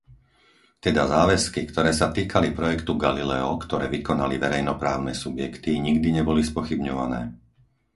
Teda záväzky, ktoré sa týkali projektu Galileo, ktoré vykonali verejnoprávne subjekty, nikdy neboli spochybňované.